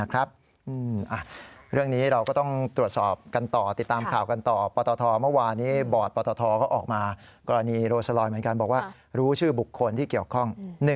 เรื่องนี้เราก็ต้องตรวจสอบกันต่อติดตามข่าวกันต่อปตทเมื่อวานี้บอร์ดปตทก็ออกมากรณีโรสลอยเหมือนกันบอกว่ารู้ชื่อบุคคลที่เกี่ยวข้อง